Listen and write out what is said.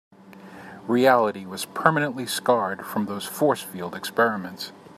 Reality was permanently scarred from those force field experiments.